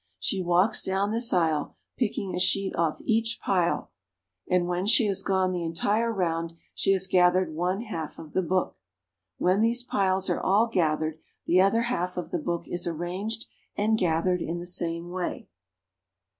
She walks down this isle picking a sheet off each pile, and when she has gone the entire round she has gathered one half of the book. When these piles are all gathered, the other half of the book is arranged, and gathered in the same way.